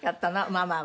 ママは。